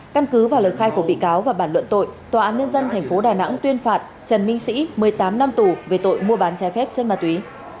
căn cứ vào lời khai của bị cáo và bản luận tội tòa án nhân dân tp đà nẵng tuyên phạt trần minh sĩ một mươi tám năm tù về tội mua bán trái phép chất ma túy